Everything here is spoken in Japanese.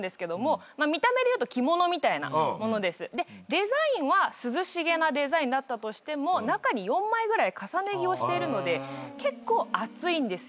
デザインは涼しげなデザインだったとしても中に４枚ぐらい重ね着をしているので結構暑いんですよ。